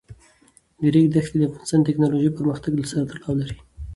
د ریګ دښتې د افغانستان د تکنالوژۍ پرمختګ سره تړاو لري.